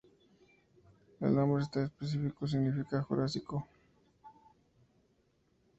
El nombre específico significa "jurásico".